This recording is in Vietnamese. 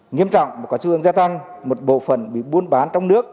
nhiêm trọng một quả xu hướng gia tăng một bộ phần bị buôn bán trong nước